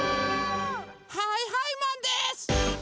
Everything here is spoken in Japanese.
はいはいマンです！